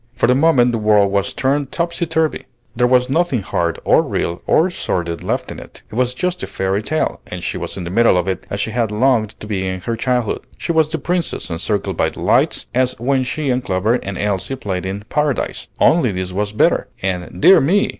For the moment the world was turned topsy turvy. There was nothing hard or real or sordid left in it; it was just a fairy tale, and she was in the middle of it as she had longed to be in her childhood. She was the Princess, encircled by delights, as when she and Clover and Elsie played in "Paradise," only, this was better; and, dear me!